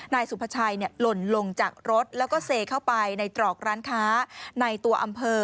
นายสุภาชัยหล่นลงจากรถแล้วก็เซเข้าไปในตรอกร้านค้าในตัวอำเภอ